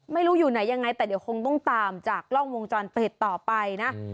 ไม่รู้อยู่ไหนยังไงแต่เดี๋ยวคงต้องตามจากกล้องวงจรปิดต่อไปนะ